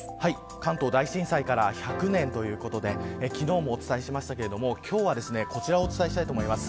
関東大震災から１００年ということで昨日もお伝えしましたが今日はこちらをお伝えしたいと思います。